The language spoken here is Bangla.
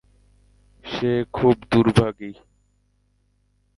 সে খুব দুর্ভাগী।